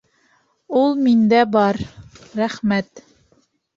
Ул миндә бар. Рәхмәт.